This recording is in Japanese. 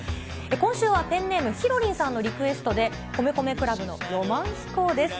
今週はペンネーム、ひろりんさんのリクエストで、米米ＣＬＵＢの浪漫飛行です。